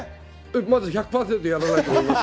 まず１００％やらないと言えます。